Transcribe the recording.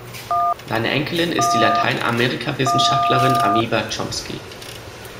Seine Enkelin ist die Lateinamerika-Wissenschaftlerin Aviva Chomsky.